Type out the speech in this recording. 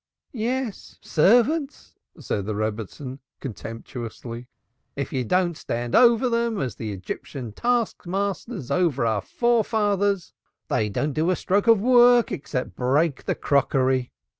"Yes, servants!" said the Rebbitzin, contemptuously. "If you don't stand over them as the Egyptian taskmasters over our forefathers, they don't do a stroke of work except breaking the crockery.